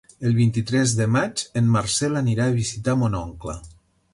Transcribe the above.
El vint-i-tres de maig en Marcel anirà a visitar mon oncle.